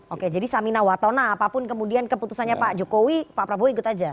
oke jadi samina watona apapun kemudian keputusannya pak jokowi pak prabowo ikut aja